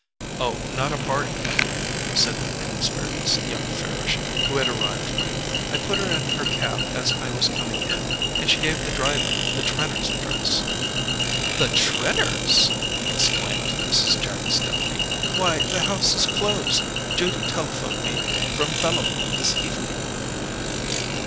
"Oh, not a party, I think," said an inexperienced young Farish who had arrived late. "I put her in her cab as I was coming in, and she gave the driver the Trenors' address." "The Trenors'?" exclaimed Mrs. Jack Stepney. "Why, the house is closed—Judy telephoned me from Bellomont this evening."